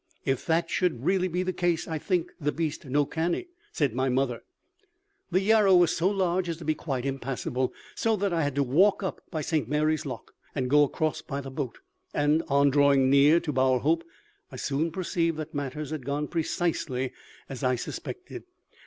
"'If that should really be the case, I'll think the beast no canny,' said my mother. "The Yarrow was so large as to be quite impassable, so that I had to walk up by St. Mary's Loch, and go across by the boat; and, on drawing near to Bowerhope, I soon perceived that matters had gone precisely as I suspected.